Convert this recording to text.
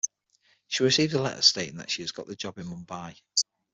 She receives a letter stating that she has got the job in Mumbai.